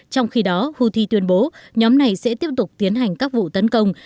trong khi đó houthi tuyên bố nhóm này sẽ tiếp tục tiến hành các vụ tấn công